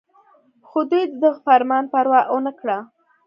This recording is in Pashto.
خو دوي د دغه فرمان پروا اونکړه